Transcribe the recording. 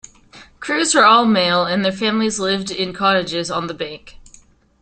Crews were all male and their families lived in cottages on the bank.